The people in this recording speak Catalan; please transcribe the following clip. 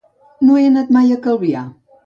No he anat mai a Calvià.